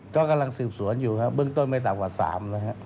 ก็กำลังสืบสวนอยู่ครับเบื้องต้นไม่ต่ำกว่า๓แล้วครับ